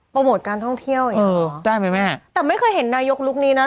โปรโมทการท่องเที่ยวเห็นหรอได้แม่แต่ไม่เคยเห็นนายกลุกนี้นะ